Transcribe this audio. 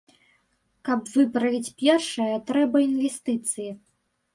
Каб выправіць першае, трэба інвестыцыі.